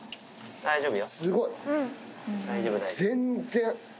大丈夫よ。